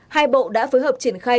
hai bộ đã phối hợp triển khai